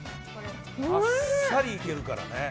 あっさりいけるからね。